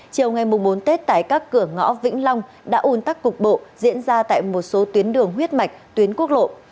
chiều ngày bốn tết tại các cửa ngõ vĩnh long đã un tắc cục bộ diễn ra tại một số tuyến đường huyết mạch tuyến quốc lộ